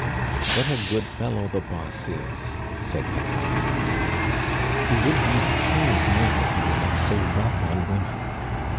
"What a good fellow the boss is!" said Paccard. "He would be the king of men if he were not so rough on women."